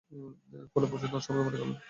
ফলে প্রচুর ধন সম্পদের মালিক হলেন।